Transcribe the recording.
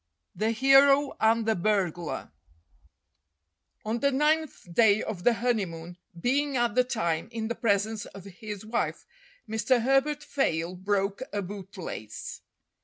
XXV THE HERO AND THE BURGLAR ON the ninth day of the honeymoon, being at the time in the presence of his wife, Mr. Herbert Fayle broke a bootlace.